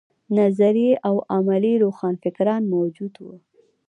نظري او عملي روښانفکران موجود وو.